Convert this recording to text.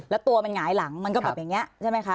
แล้วตัวมันหงายหลังมันก็แบบอย่างนี้ใช่ไหมคะ